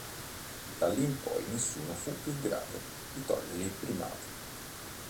Da lì in poi nessuno fu più in grado di togliergli il primato.